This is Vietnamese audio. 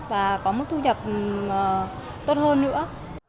và có mức thu nhập tốt hơn nữa